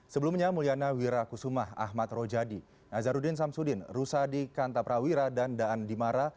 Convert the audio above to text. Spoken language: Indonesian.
sebelumnya mulyana wira kusumah ahmad rojadi nazarudin samsudin rusadi kantaprawira dan daan dimara